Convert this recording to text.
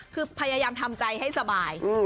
คือพยายามทำใจให้สบาย